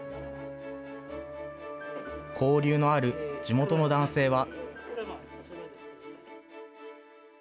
交流のある地元の男性は。